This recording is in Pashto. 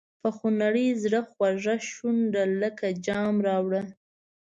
په خونړي زړه خوږه شونډه لکه جام راوړه.